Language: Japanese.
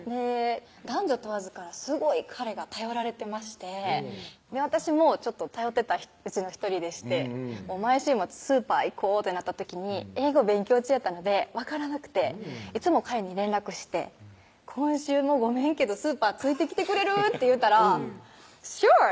男女問わずからすごい彼が頼られてまして私も頼ってたうちの１人でして毎週末スーパー行こうってなった時に英語勉強中やったので分からなくていつも彼に連絡して「今週もごめんやけどスーパーついてきてくれる？」って言ったら「Ｓｕｒｅ！」